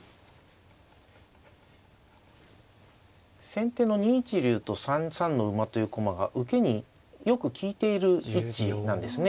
先手の２一竜と３三の馬という駒が受けによく利いている位置なんですね。